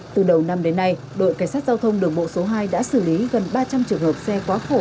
từ đầu năm đến nay đội cảnh sát giao thông đường bộ số hai đã xử lý gần ba trăm linh trường hợp xe quá khổ